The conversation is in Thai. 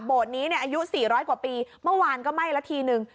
โบสต์นี้เนี่ยอายุสี่ร้อยกว่าปีเมื่อวานก็ไหม้ละทีหนึ่ง